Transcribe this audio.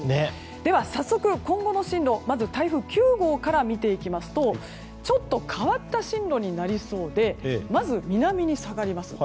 では早速、今後の進路まず９号から見ていきますとちょっと変わった進路になりそうでまず、南に下がります。